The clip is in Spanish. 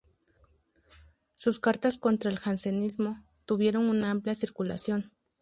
Sus cartas contra el Jansenismo tuvieron una amplia circulación.